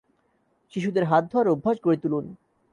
শিশুদের হাত ধোয়ার অভ্যাস গড়ে তুলুন।